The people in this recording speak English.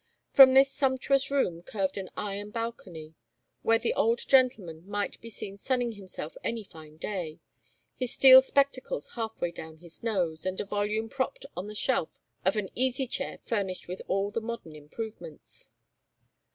From this sumptuous room curved an iron balcony, where the old gentleman might be seen sunning himself any fine day, his steel spectacles half way down his nose, and a volume propped on the shelf of an easy chair furnished with all the modern improvements.